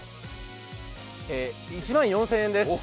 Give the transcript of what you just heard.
１万４０００円です。